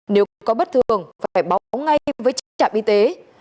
nếu có bất thường phải báo ngay với chính trạm y tế